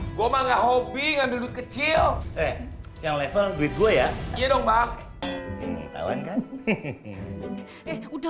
ngomongnya hobi ngambil kecil yang level duit gue ya